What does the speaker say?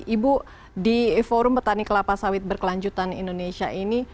ibu di forum petani kelapa sawit berkelanjutan indonesia ini